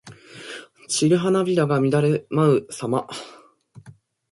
散る花びらが乱れ舞うさま。